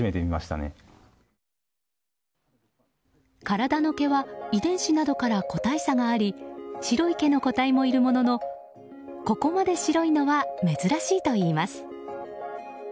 体の毛は遺伝子などから個体差があり白い毛の個体もいるもののここまで白いのは珍しいといいます。